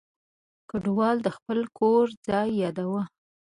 کډوال د خپل کور ځای یاداوه.